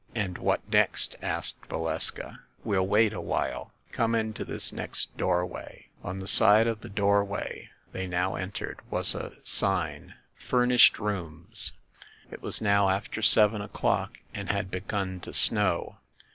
"And what next?" asked Valeska. "We'll wait a while. Come into this next doorway." On the side of the doorway they now entered was a sign, "Furnished Rooms." It was now after seven o'clock, and had begun to snow.